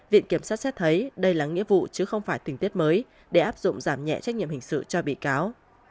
viện kiểm sát xét thấy đây là nghĩa vụ chứ không phải tình tiết mới để áp dụng giảm nhẹ trách nhiệm hình sự cho bị cáo